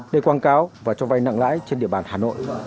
để quảng cáo và cho vay nặng lãi trên địa bàn hà nội